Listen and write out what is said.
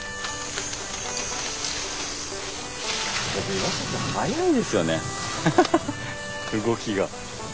岩さん早いですよね動きが。